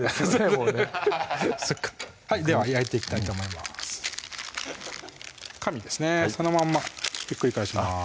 もうねでは焼いていきたいと思います紙ですねそのまんまひっくり返します